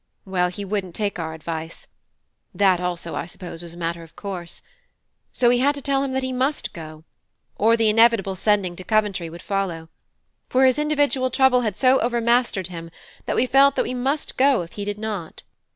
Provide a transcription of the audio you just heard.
Well, he wouldn't take our advice (that also, I suppose, was a matter of course), so we had to tell him that he must go, or the inevitable sending to Coventry would follow; for his individual trouble had so overmastered him that we felt that we must go if he did not.